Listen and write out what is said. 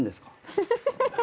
フフフフ。